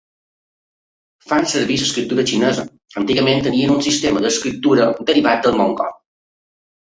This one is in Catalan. Fan servir l'escriptura xinesa, antigament tenien un sistema d'escriptura derivat del mongol.